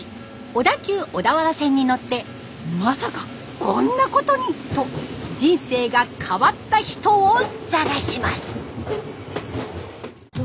小田急小田原線に乗って「まさか！こんなコトに」と人生が変わった人を探します。